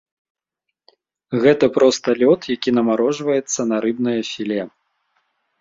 Гэта проста лёд, які намарожваецца на рыбнае філе.